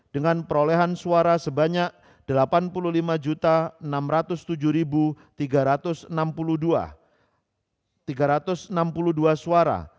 dengan perolehan suara sebanyak delapan puluh lima enam ratus tujuh tiga ratus enam puluh dua suara